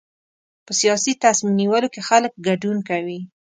په سیاسي تصمیم نیولو کې خلک ګډون کوي.